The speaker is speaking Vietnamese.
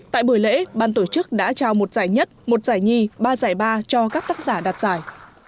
tại buổi lễ ban tổ chức đã trao một giải nhất một giải nhi ba giải ba cho các tác giả đặt giải